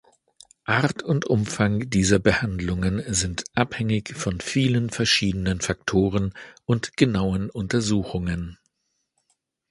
Art und Umfang dieser Behandlungen sind abhängig von vielen verschiedenen Faktoren und genauen Untersuchungen.